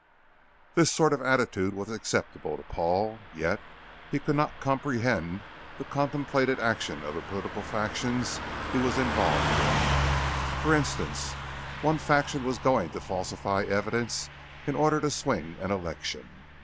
This sort of attitude was acceptable to Paul, yet he could not comprehend the contemplated action of the political factions he was involved with. For instance, one faction was going to falsify evidence in order to swing an election.